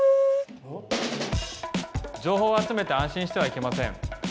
情報を集めて安心してはいけません。